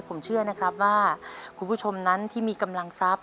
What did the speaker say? ผมเชื่อนะครับว่าคุณผู้ชมนั้นที่มีกำลังทรัพย